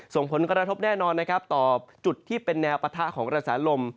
ส่งผลกระทบแน่นอนนะครับต่อจุดที่เป็นแนวปะทะของกระแสลม